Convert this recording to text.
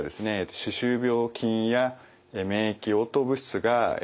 歯周病菌や免疫応答物質が血管ですね